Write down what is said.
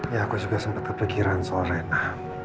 ya aku juga sempet kepikiran soal reina